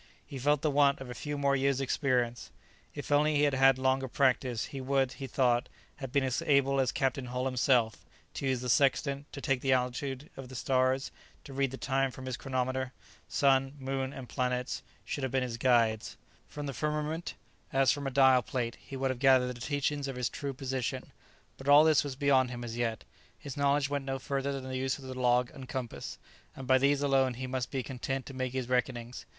He felt the want of a few more years' experience. If only he had had longer practice he would, he thought, have been as able as Captain Hull himself, to use the sextant, to take the altitude of the stars, to read the time from his chronometer; sun, moon, and planets, should have been his guides; from the firmament, as from a dial plate, he would have gathered the teachings of his true position; but all this was beyond him as yet; his knowledge went no further than the use of the log and compass, and by these alone he must be content to make his reckonings.